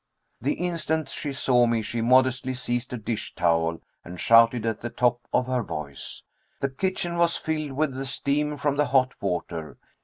The instant she saw me she modestly seized a dish towel and shouted at the top of her voice. The kitchen was filled with the steam from the hot water.